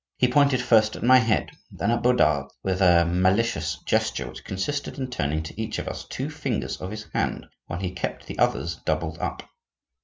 He pointed first at my head, then at Bodard's with a malicious gesture which consisted in turning to each of us two fingers of his hand while he kept the others doubled up.